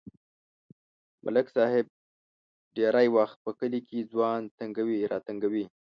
ملک صاحب ډېری وخت په کلي کې ځوان تنگوي راتنگوي.